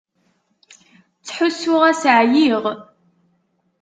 Ttḥussuɣ-as ɛyiɣ.